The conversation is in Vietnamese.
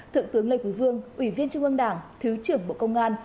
thượng tướng lê quý vương ủy viên trung ương đảng thứ trưởng bộ công an